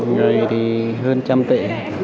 người thì hơn trăm tệ